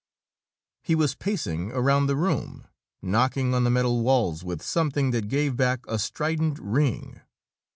He was pacing around the room, knocking on the metal walls with something that gave back a strident ring.